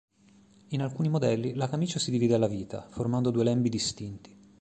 In alcuni modelli la camicia si divide alla vita, formando due lembi distinti.